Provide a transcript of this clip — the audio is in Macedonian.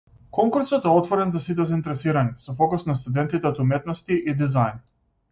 Конкурсот е отворен за сите заинтересирани, со фокус на студентите од уметности и дизајн.